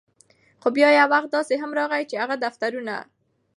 خو بیا یو وخت داسې هم راغے، چې هغه دفترونه